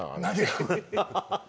何が？